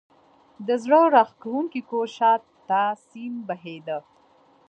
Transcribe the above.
د زړه راکښونکي کور شا ته سیند بهېده.